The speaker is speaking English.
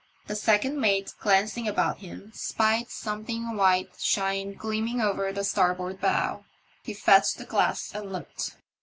The second mate, glancing about him, spied something white shine gleaming over the starboard bow. He fetched the glass and looked.